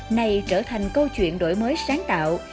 này trở thành câu chuyện đổi mới sáng tạo